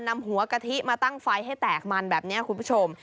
นำหัวกะทิมาตั้งไฟให้แตกมันแบบนี้คุณผู้ชม